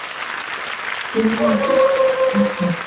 Kenem tukuk Che ng'emei itonda